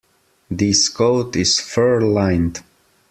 This coat is fur-lined.